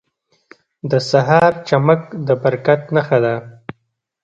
• د سهار چمک د برکت نښه ده.